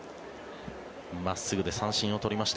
真っすぐで三振を取りました。